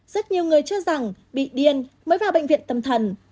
rất nhiều người cho rằng bị điên mới vào bệnh viện tâm thần